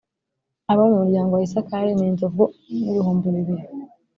Abo mu muryango wa Isakari ni inzovu n’ibihumbi bibiri.